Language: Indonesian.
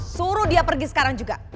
suruh dia pergi sekarang juga